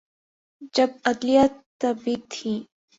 جب عدلیہ تابع تھی۔